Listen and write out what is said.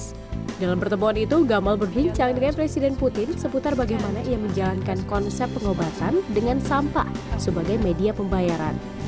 dalam pertemuan itu gamal berbincang dengan presiden putin seputar bagaimana ia menjalankan konsep pengobatan dengan sampah sebagai media pembayaran